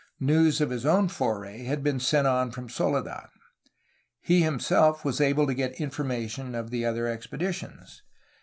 News of his own foray had been sent on from Soledad. He himself was able to get informa tion of the other expeditions.